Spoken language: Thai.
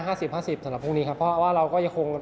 ห้าสิบห้าสิบสำหรับพรุ่งนี้ครับเพราะว่าเราก็จะคง